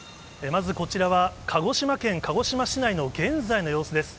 まず、こちらは鹿児島県鹿児島市内の現在の様子です。